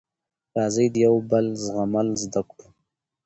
راځی د یوبل زغمل زده کړو